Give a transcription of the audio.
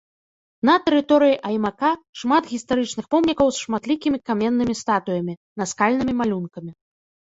На тэрыторыі аймака шмат гістарычных помнікаў з шматлікімі каменнымі статуямі, наскальнымі малюнкамі.